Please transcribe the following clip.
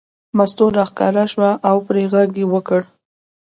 مستو راښکاره شوه او یې پرې غږ وکړ.